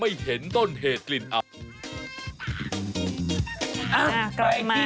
ไปที่หยาดทิศราชปาล